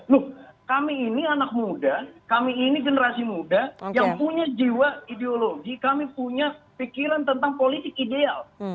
loh kami ini anak muda kami ini generasi muda yang punya jiwa ideologi kami punya pikiran tentang politik ideal